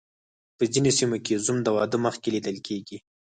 په ځینو سیمو کې زوم د واده مخکې لیدل کیږي.